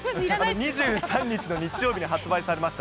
２３日の日曜日に発売されました